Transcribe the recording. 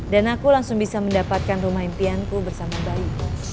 dan aku langsung bisa mendapatkan rumah impianku bersama bayi